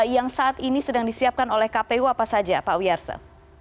yang saat ini sedang disiapkan oleh kpu apa saja pak wiyarsa